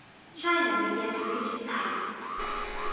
China began to reach its height.